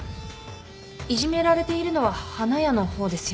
いじめられているのは花屋の方ですよね。